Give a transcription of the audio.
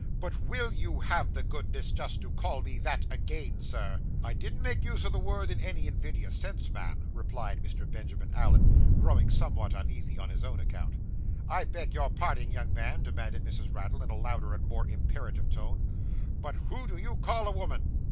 'But will you have the goodness just to call me that again, sir?' 'I didn't make use of the word in any invidious sense, ma'am,' replied Mr. Benjamin Allen, growing somewhat uneasy on his own account. 'I beg your parding, young man,' demanded Mrs. Raddle, in a louder and more imperative tone. 'But who do you call a woman?